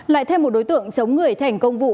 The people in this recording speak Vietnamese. lại thêm một đối tượng chống người thành công vụ